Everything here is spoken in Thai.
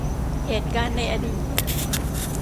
เหตุการณ์ในอดีต